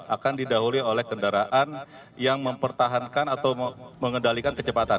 akan didahului oleh kendaraan yang mempertahankan atau mengendalikan kecepatan